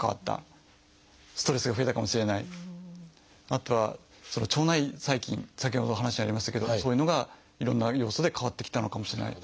あとは腸内細菌先ほどお話にありましたけどそういうのがいろんな要素で変わってきたのかもしれない。